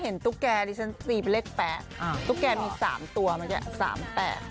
เห็นตุ๊กแกรีเซ็นซีเป็นเลขแป๊ะตุ๊กแกรีมี๓ตัวมันก็๓แป๊ะ